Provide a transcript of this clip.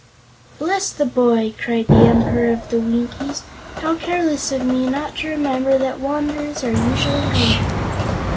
"Bless the boy!" cried the Emperor of the Winkies; "how careless of me not to remember that wanderers are usually hungry.